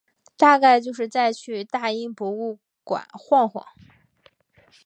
大概就是再去大英博物馆晃晃